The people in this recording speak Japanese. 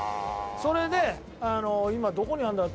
それで今どこにあるんだろう？